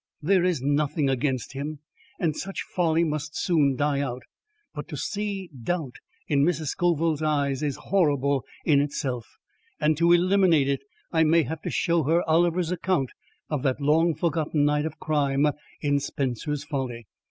There is nothing against him, and such folly must soon die out; but to see doubt in Mrs. Scoville's eyes is horrible in itself and to eliminate it I may have to show her Oliver's account of that long forgotten night of crime in Spencer's Folly.